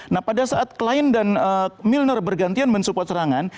nah pada saat klien dan milner bergantian mensupport serangan